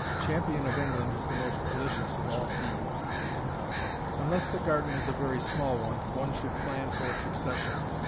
Champion of England is the most delicious of all peas. Unless the garden is a very small one, one should plan for a succession.